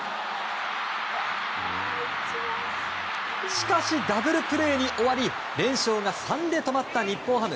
しかし、ダブルプレーに終わり連勝が３で止まった日本ハム。